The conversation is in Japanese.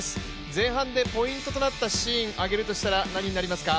前半でポイントとなったシーン挙げるとしたら、何になりますか。